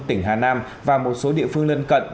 tỉnh hà nam và một số địa phương lân cận